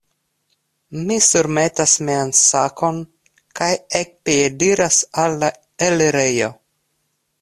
Mi surmetas mian sakon, kaj ekpiediras al la elirejo.